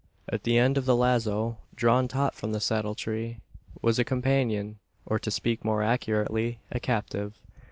At the end of the lazo drawn taut from the saddle tree was a companion, or, to speak more accurately, a captive.